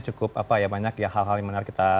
cukup apa ya banyak ya hal hal yang menarik kita